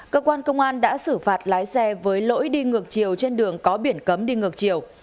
cơ quan công an đã xử phạt lái xe với lỗi đi ngược chiều trên đường có biển cấm đi ngược chiều